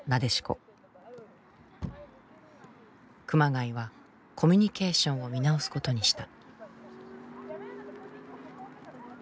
熊谷はコミュニケーションを見直すことにした。